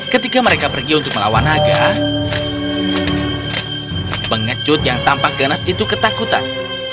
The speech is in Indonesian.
ketika mereka pergi untuk melawan naga pengecut yang tampak ganas itu ketakutan